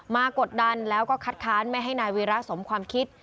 กดดันแล้วก็คัดค้านไม่ให้นายวีระสมความคิด